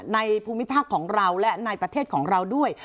ภูมิภาคของเราและในประเทศของเราด้วย